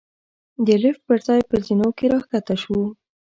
د لېفټ پر ځای په زېنو کې را کښته شوو.